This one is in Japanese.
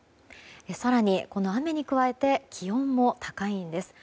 更に、この雨に加えて気温も高いんです。